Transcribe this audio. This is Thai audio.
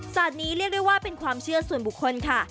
นี้เรียกได้ว่าเป็นความเชื่อส่วนบุคคลค่ะ